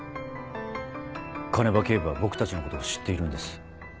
鐘場警部は僕たちのことを知っているんです。